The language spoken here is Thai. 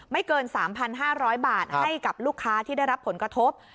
ไม่เกิน๓๕๐๐บาทให้กับลูกค้าที่ได้รับผลกระทบ